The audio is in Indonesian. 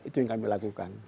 itu yang kami lakukan